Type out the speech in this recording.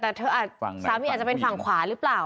แต่สามีอาจจะเป็นฝั่งขวาหรือเปล่า